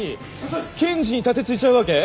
検事に盾突いちゃうわけ？